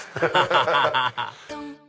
ハハハハ！